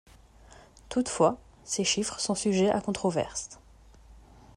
Toutefois, ces chiffres sont sujets à controverse.